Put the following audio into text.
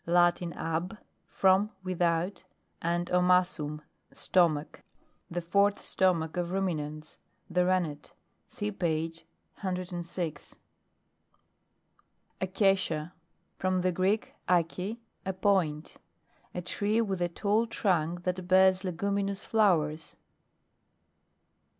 Latin ab, from, without, and omassum, stomach. The fourth stomach of Ruminants. The Ren net. (See page 106.) ACACIA. From the Greek, alee, a point. A tree with a tall trunk that bears leguminous flowers.